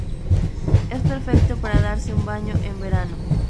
Es perfecto para darse un baño en verano.